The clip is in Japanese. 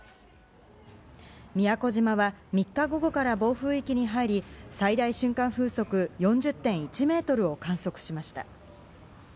宮古島は３日午後から暴風域に入り、最大瞬間風速４０．１メートルを観測しました。